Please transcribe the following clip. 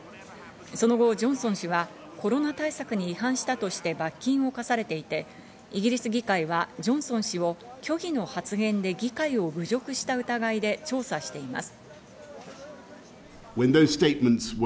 その後、ジョンソン氏はコロナ対策に違反したとして罰金を科されていて、イギリス議会はジョンソン氏を虚偽の発言で議会を侮辱した疑いで調査しています。